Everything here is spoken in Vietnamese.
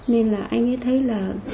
nên là anh ấy thấy là